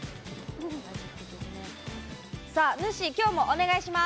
さあぬっしー今日もお願いします。